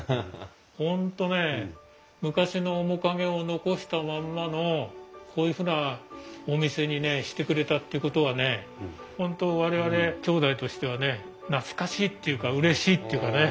本当ね昔の面影を残したまんまのこういうふうなお店にしてくれたっていうことはね本当我々兄弟としてはね懐かしいっていうかうれしいっていうかね。